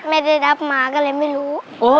ไม่ได้รับมาก็เลยไม่รู้